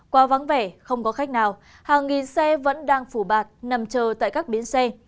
quá vắng vẻ không có khách nào hàng nghìn xe vẫn đang phủ bạt nằm chờ tại các bến xe